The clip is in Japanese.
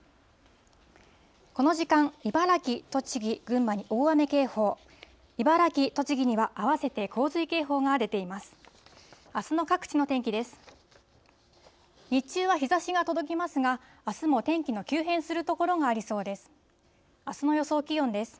この時間、茨城、栃木、群馬に大雨警報、茨城、栃木には併せて洪水警報が出ています。